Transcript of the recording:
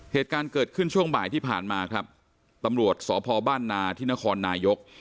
เหตุการณ์เกิดขึ้นช่วงบ่ายที่ผ่านมาครับตำรวจสพบ้านนาที่นครนายก